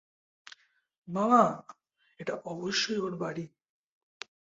মামা, এটা অবশ্যই ওর বাড়ি।